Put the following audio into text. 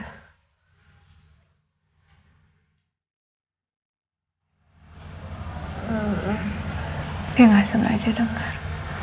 dia gak sengaja denger